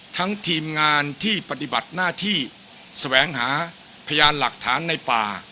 ทีมงานที่ปฏิบัติหน้าที่แสวงหาพยานหลักฐานในป่า